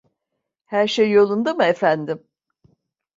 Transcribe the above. Her şey yolunda mı efendim?